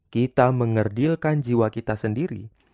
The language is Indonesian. kita mengerdilkan jiwa kita sendiri